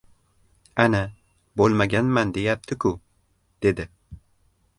— Ana, bo‘lmaganman deyapti-ku? — dedi.